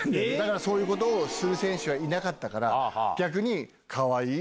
そういうことをする選手はいなかったから逆に。